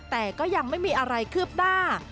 แต่ก็ยังไม่มีอะไรคืบหน้า